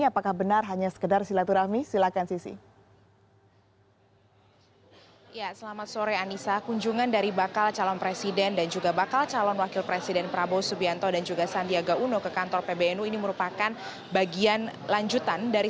apakah benar hanya sekedar silaturahmi silakan sisi